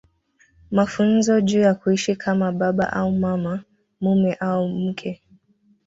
Mafunzo juu ya kuishi kama baba au mama mume au mke